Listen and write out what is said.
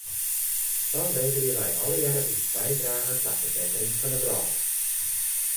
Sa leverje wij allegearre ús bydrage ta ferbettering fan de wrâld.